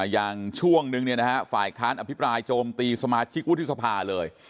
อย่างช่วงนึงฝ่ายค้านอภิปรายโจมตีสมาชิกวุฒิสภาเลย